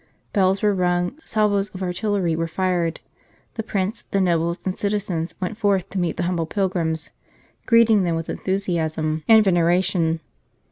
Bells were rung, salvos of artillery were fired, the Prince, the nobles, and citizens, went forth to meet the humble pilgrims, greeting them with enthu siasm and veneration.